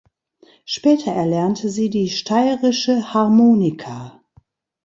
Später erlernte sie die Steirische Harmonika.